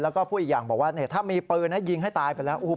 แล้วก็พูดอีกอย่างบอกว่าถ้ามีปืนยิงให้ตายไปแล้ว